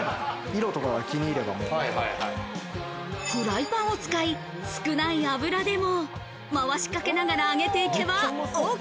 色とかが気フライパンを使い、少ない油でもまわしかけながら揚げていけばＯＫ。